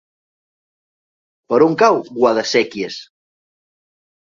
Per on cau Guadasséquies?